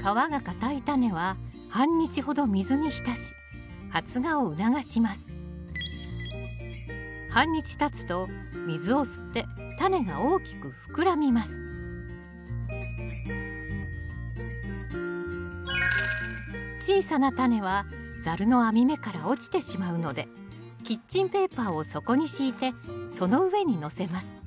皮が硬いタネは半日たつと水を吸ってタネが大きく膨らみます小さなタネはザルの網目から落ちてしまうのでキッチンペーパーを底に敷いてその上にのせます。